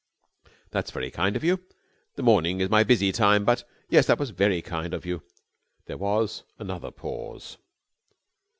"That was very kind of you. The morning is my busy time, but ... yes, that was very kind of you!" There was another pause.